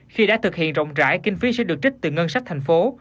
khi đã thực hiện rộng rãi kinh phí sẽ được trích từ ngân sách thành phố